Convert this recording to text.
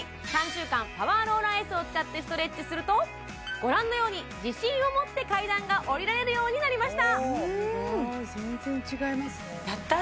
３週間パワーローラーＳを使ってストレッチするとご覧のように自信をもって階段が下りられるようになりました